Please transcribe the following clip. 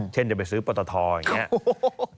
เช่นจะไปซื้อปตทอย่างนี้